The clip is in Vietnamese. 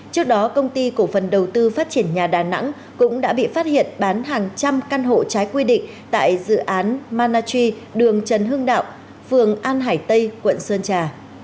trước đó công ty cổ phần đầu tư phát triển nhà đà nẵng cũng đã bị phát hiện bán hàng trăm căn hộ trái quy định tại dự án manachry đường trần hưng đạo phường an hải tây quận sơn trà